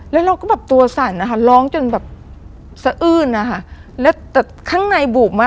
แล้วเราก็แบบตัวสั่นนะคะร้องจนแบบสะอื้นนะคะแล้วแต่ข้างในบูบมาก